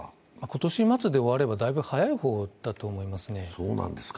今年末で終わればだいぶ早い方だと思いますね。